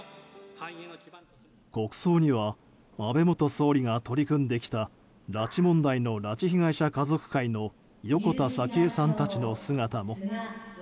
国葬には安倍元総理が取り組んできた拉致問題の拉致被害者家族会の横田早紀江さんたちの姿も。